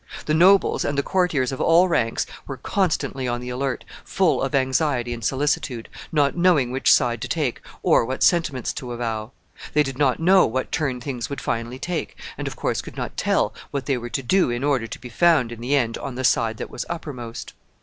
The nobles, and the courtiers of all ranks, were constantly on the alert, full of anxiety and solicitude, not knowing which side to take or what sentiments to avow. They did not know what turn things would finally take, and, of course, could not tell what they were to do in order to be found, in the end, on the side that was uppermost.